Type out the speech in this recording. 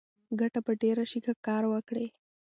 ګټه به ډېره شي که کار وکړې.